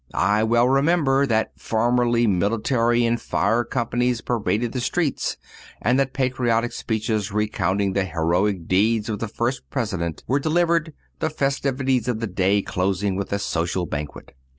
I well remember that formerly military and fire companies paraded the streets, and that patriotic speeches recounting the heroic deeds of the first President were delivered, the festivities of the day closing with a social banquet.